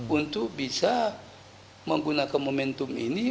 untuk bisa menggunakan momentum ini